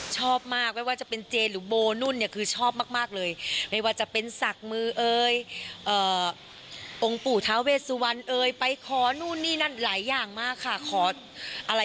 ชอบมากไม่ว่าจะเป็นเจนหรือโบนู่นคือชอบมากเลยไม่ว่าจะเป็นสักมือเอ๋ยองค์ปู่ทาเวสสุวรรค์เอ๋ยไปขอนู่นนี่นั่นหลายอย่างมากค่ะ